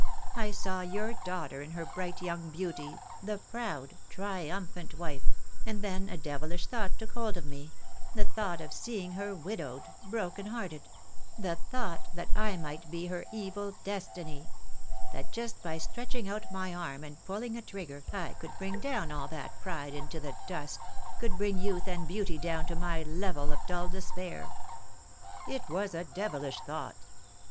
I saw your daughter in her bright young beauty, the proud, triumphant wife: and then a devilish thought took hold of me — the thought of seeing 256 THE DAY WILL COME. her widowed, broken hearted; the thought that I might be her evil Destiny — that just by stretching out my arm and pulling a trigger I could bring down all that pride into the dust — could bring youth and beauty down to my level of dull despair." "It was a devilish thought."